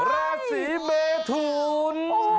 ราศีเมทุน